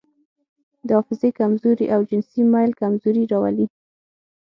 د حافظې کمزوري او جنسي میل کمزوري راولي.